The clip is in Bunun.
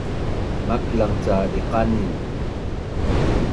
maklang ca diqanin